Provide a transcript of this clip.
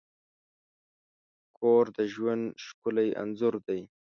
کور د ژوند ښکلی انځور دی.